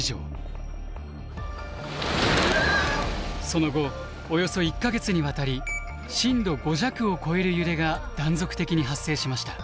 その後およそ１か月にわたり震度５弱を超える揺れが断続的に発生しました。